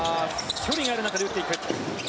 距離がある中で打っていく。